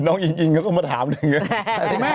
น้องอิ่งอิ่งก็เค้ามันถามอ่ะ